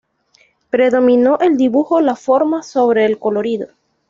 Predominó el dibujo, la forma, sobre el colorido.